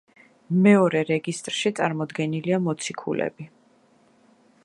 მეორე რეგისტრში წარმოდგენილია მოციქულები.